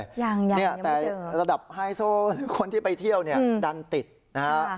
ยังยังยังไม่เจอแต่ระดับไฮโซคนที่ไปเที่ยวเนี่ยดันติดนะฮะ